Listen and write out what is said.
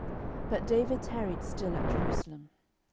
But David tarried still at Jerusalem.